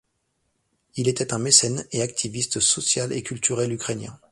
Il était un mécène et activiste social et culturel ukrainien.